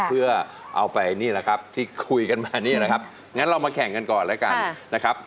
เพื่อเอาไปนี่แหละครับที่คุยกันมานี่แหละครับงั้นเรามาแข่งกันก่อนแล้วกันนะครับ